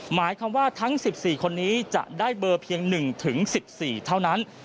หมายความว่าทั้ง๑๔คนนี้จะได้เบอร์เพียง๑๑๔เท่านั้น